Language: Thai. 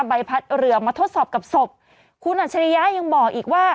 ใบพัดเหลือมาโทษศอบกับสบคุณอัจฉริยายัยังบอกอีกว่า